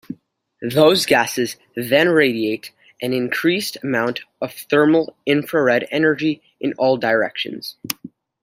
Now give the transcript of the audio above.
Those gases then radiate an increased amount of thermal infrared energy in all directions.